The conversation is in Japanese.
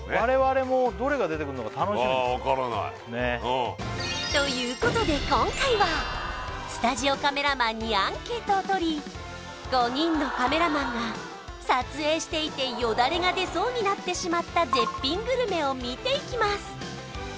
つまりねいいですねああ分からないということで今回はスタジオカメラマンにアンケートをとり５人のカメラマンが撮影していてヨダレが出そうになってしまった絶品グルメを見ていきます